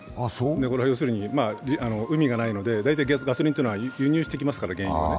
これは要するに海がないので大体ガソリンというのは輸入してきますから、原油を。